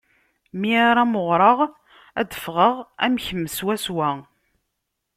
Mi ara mɣareɣ, ad d-ffɣeɣ am kemm swaswa.